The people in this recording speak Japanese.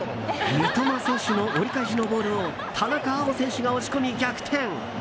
三笘選手の折り返しのボールを田中碧選手が押し込み、逆転！